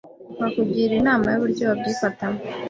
akakugira inama y’uburyo wabyifatamo